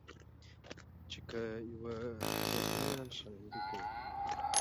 چې که يوه ښځمنه شاعري کوي